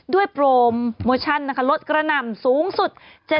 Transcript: ด้วยโปรโมชั่นลดกระหน่ำสูงสุด๗๐